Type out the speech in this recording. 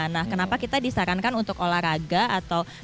nah kenapa kita disarankan untuk olahraga atau contohnya kayak zumba itu